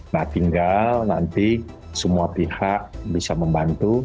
nah tinggal nanti semua pihak bisa membantu